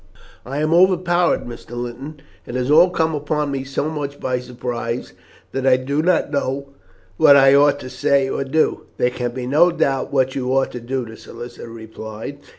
"I am overpowered, Mr. Linton. It has all come upon me so much by surprise that I do not know what I ought to say or do." "There can be no doubt what you ought to do," the solicitor replied.